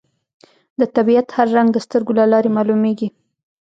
د طبیعت هر رنګ د سترګو له لارې معلومېږي